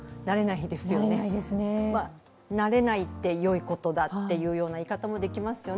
慣れないってよいことだっていう言い方もできますよね。